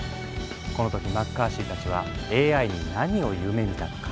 この時マッカーシーたちはＡＩに何を夢みたのか？